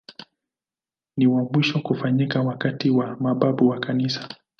Ni wa mwisho kufanyika wakati wa mababu wa Kanisa.